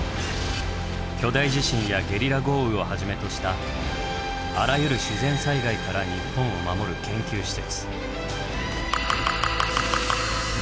巨大地震やゲリラ豪雨をはじめとしたあらゆる自然災害から日本を守る研究施設。